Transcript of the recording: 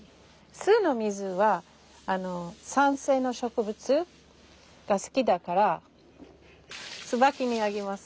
酢の水は酸性の植物が好きだからツバキにあげます。